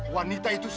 wanita itu silap